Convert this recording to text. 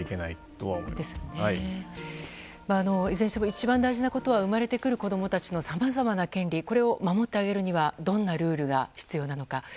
いずれにしても一番大事なことは生まれてくる子供たちのさまざまな権利を守ってあげるにはどんなルールが必要なのか。